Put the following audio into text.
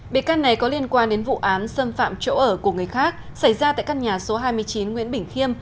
bị can này có liên quan đến vụ án xâm phạm chỗ ở của người khác xảy ra tại căn nhà số hai mươi chín nguyễn bình khiêm